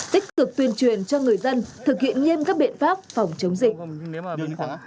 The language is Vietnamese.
tích cực tuyên truyền cho người dân thực hiện nghiêm các biện pháp phòng chống dịch